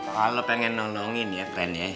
kalo pengen nolongin ya friend ya